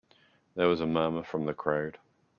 There was a murmur from the crowd.